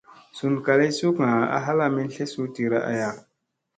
Sun kalii sukga a halami tlesu tira aya.